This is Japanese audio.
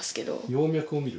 葉脈を見る？